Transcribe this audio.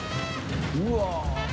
うわ。